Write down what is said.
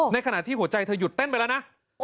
ในขณะที่หัวใจเธอหยุดเต้นไปแล้วนะ